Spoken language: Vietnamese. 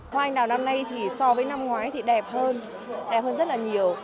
hoa anh đào năm nay thì so với năm ngoái thì đẹp hơn đẹp hơn rất là nhiều